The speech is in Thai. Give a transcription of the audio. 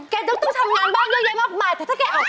ต้องทำงานบ้างเยอะแยะมากมายแต่ถ้าแกออก